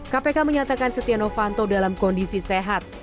kpk menyatakan setianofanto dalam kondisi sehat